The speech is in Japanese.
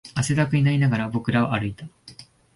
汗だくになりながら、僕らは歩いた